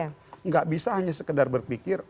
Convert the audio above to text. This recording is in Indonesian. tidak bisa hanya sekedar berpikir